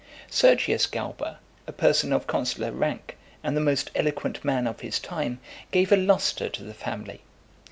Sergius Galba, a person of consular rank , and the most eloquent man of his time, gave a lustre to the family.